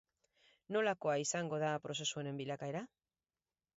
Nolakoa izango da prozesu honen bilakaera?